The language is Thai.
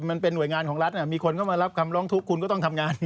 หน่วยงานของรัฐมีคนเข้ามารับคำร้องทุกข์คุณก็ต้องทำงาน